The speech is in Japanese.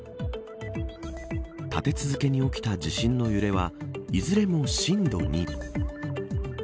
立て続けに起きた地震の揺れはいずれも震度２。